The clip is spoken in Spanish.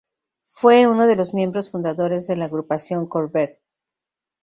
Fue uno de los miembros fundadores de la Agrupación Courbet.